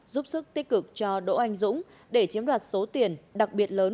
giúp sức tích cực cho đỗ anh dũng để chiếm đoạt số tiền đặc biệt lớn